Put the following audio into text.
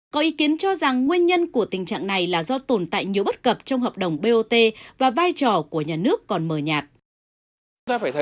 có ý kiến cho rằng nguyên nhân của tình trạng này là do tồn tại nhiều bất cập trong hợp đồng bot và vai trò của nhà nước còn mờ nhạt